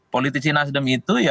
politisi nasdem itu ya